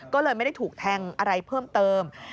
ก็เลยไม่ได้ถูกแทงอะไรเพิ่มเติม